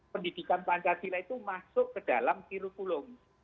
pendidikan pancasila itu masuk ke dalam sirukulum